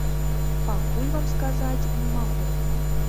Пакуль вам сказаць не магу.